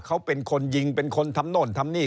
เขาเป็นคนยิงเป็นคนทำโน่นทำนี่